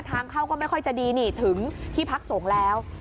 ทางเข้าก็ไม่ค่อยจะดีนี่ถึงที่พักสงฆ์แล้ว